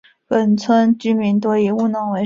本村居民多以务农为生。